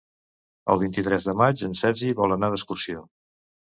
El vint-i-tres de maig en Sergi vol anar d'excursió.